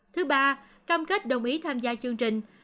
thứ ba cam kết đồng ý tham gia chương trình